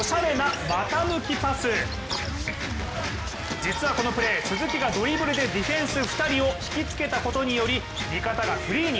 実はこのプレー鈴木がドリブルでディフェンス２人を引きつけたことにより、味方がフリーに。